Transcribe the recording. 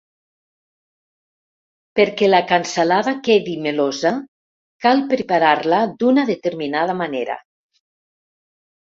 Perquè la cansalada quedi melosa, cal preparar-la d'una determinada manera.